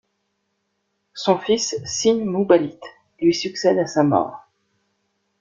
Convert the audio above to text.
Son fils Sîn-muballit lui succède à sa mort.